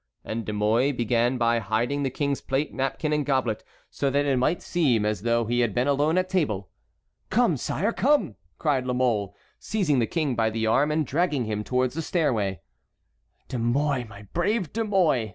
And De Mouy began by hiding the king's plate, napkin, and goblet, so that it might seem as though he had been alone at table. "Come, sire, come," cried La Mole, seizing the king by the arm and dragging him towards the stairway. "De Mouy, my brave De Mouy!"